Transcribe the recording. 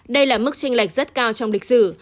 đây là mức tranh lệch rất cao trong lịch sử